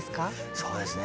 そうですね